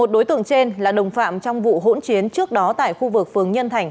một đối tượng trên là đồng phạm trong vụ hỗn chiến trước đó tại khu vực phường nhân thành